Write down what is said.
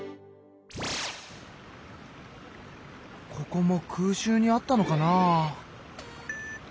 ここも空襲にあったのかなあ。